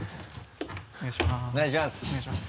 お願いします。